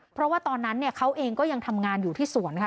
เพราะว่าตอนนั้นเนี่ยเขาเองก็ยังทำงานอยู่ที่สวนค่ะ